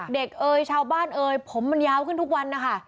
เด็กชาวบ้านผมมันยาวขึ้นทุกวันนะคะ